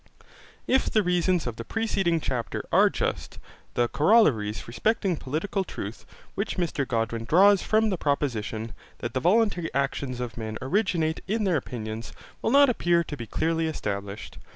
If the reasonings of the preceding chapter are just, the corollaries respecting political truth, which Mr Godwin draws from the proposition, that the voluntary actions of men originate in their opinions, will not appear to be clearly established.